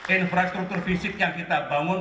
infrastruktur fisik yang kita bangun